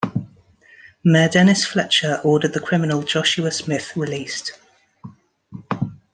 Mayor Dennis Fletcher ordered the criminal Joshua Smith released.